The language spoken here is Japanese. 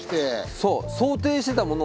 そう。